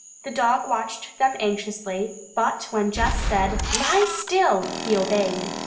The dog watched them anxiously, but when Jess said, "Lie still," he obeyed.